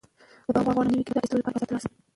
سبا غواړم د نوي کتاب د اخیستلو لپاره بازار ته لاړ شم.